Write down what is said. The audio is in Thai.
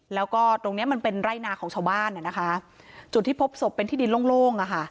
แล้วก็ตรงเนี้ยมันเป็นไร่นาของชาวบ้านอ่ะนะคะจุดที่พบศพเป็นที่ดินโล่งอ่ะค่ะ